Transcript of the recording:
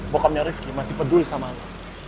bokapnya rifqi masih peduli sama lo